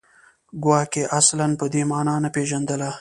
ګواکې اصلاً په دې معنا نه پېژندله